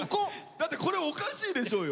だってこれおかしいでしょうよ。